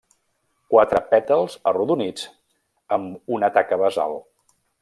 Quatre pètals, arrodonits, amb una taca basal.